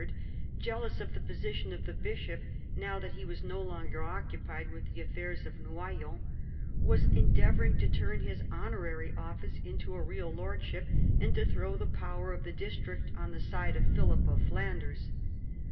— jealous of the position of the bishop, now that he was no longer occupied with the affairs of Noyon, was endeavouring to turn his honorary office into a real lordship, and to throw the power of the district on the side of Philip of Flanders.